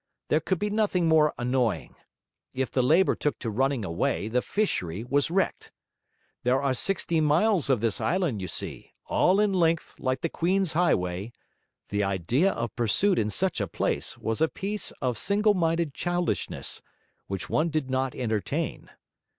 There could be nothing more annoying; if the labour took to running away, the fishery was wrecked. There are sixty miles of this island, you see, all in length like the Queen's Highway; the idea of pursuit in such a place was a piece of single minded childishness, which one did not entertain.